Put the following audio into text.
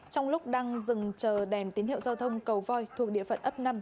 trong lúc đang dừng chờ đèn tín hiệu giao thông cầu voi thuộc địa phận ấp năm